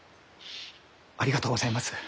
ありがとうございます。